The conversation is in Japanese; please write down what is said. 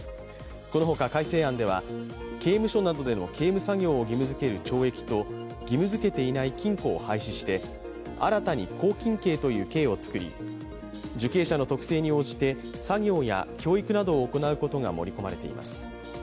このほか、改正案では刑務所などでの刑務作業を義務づける懲役と義務づけていない禁錮を廃止して、新たに拘禁刑という刑を作り、受刑者の特性に応じて作業や教育などを行うことが盛り込まれています。